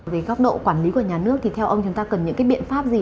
về góc độ quản lý của nhà nước thì theo ông chúng ta cần những cái biện pháp gì